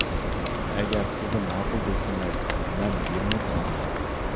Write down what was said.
ئەگەر سىزلا ماقۇل دېسىڭىز مەن يېنىڭىزغا بارىمەن.